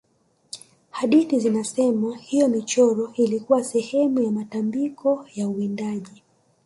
hadithi zinasema hiyo michoro ilikuwa sehemu ya matambiko ya uwindaji